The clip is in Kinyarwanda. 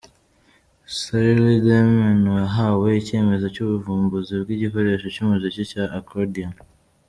Cyrill Demian yahawe icyemezo cy'ubuvumbuzi bw'igikoresho cy'umuziki cya Accordion.